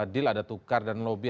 deal ada tukar dan lobby